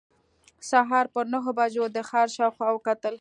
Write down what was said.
سهار پر نهو بجو د ښار شاوخوا وکتل.